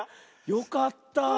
よかった。